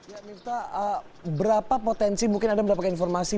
ya mirta berapa potensi mungkin ada mendapatkan informasi